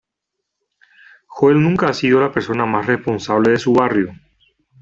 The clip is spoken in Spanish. Joel nunca ha sido la persona más responsable de su barrio.